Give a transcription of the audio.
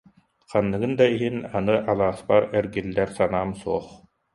Ханныгын да иһин аны алааспар эргиллэр санаам суох